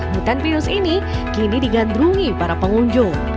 hutan pinus ini kini digandrungi para pengunjung